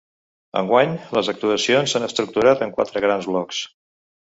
Enguany, les actuacions s’han estructurat en quatre grans blocs.